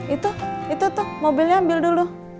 itu itu tuh mobilnya ambil dulu